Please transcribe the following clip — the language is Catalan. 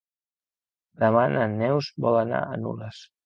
Demà na Neus vol anar a Nules.